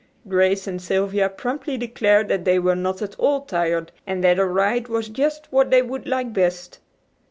Grace and Sylvia promptly declared that they were not at all tired, and that a ride was just what they would like best.